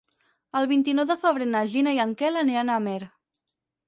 El vint-i-nou de febrer na Gina i en Quel aniran a Amer.